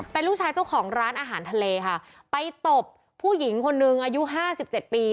เป็นลูกชายเจ้าของร้านอาหารทะเลค่ะไปตบผู้หญิงคนนึงอายุห้าสิบเจ็ดปี